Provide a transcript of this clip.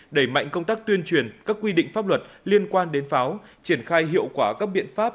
đẩy mạnh công tác tuyên truyền các quy định pháp luật liên quan đến pháo triển khai hiệu quả các biện pháp